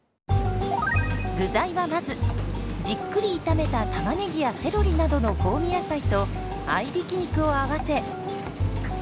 具材はまずじっくり炒めたタマネギやセロリなどの香味野菜と合いびき肉を合わせ。